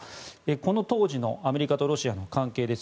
この当時のアメリカとロシアの関係です。